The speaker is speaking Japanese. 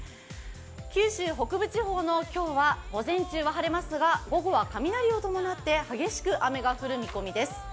九州北部地方の今日は午前中は晴れますが午後は雷を伴って激しく雨が降る見込みです。